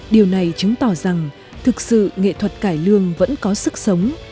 điều này chứng tỏ rằng thực sự nghệ thuật cải lương vẫn có sức sống